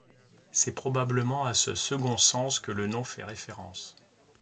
C'est probablement à ce second sens que le nom fait référence.